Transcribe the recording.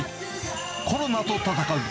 コロナと闘う！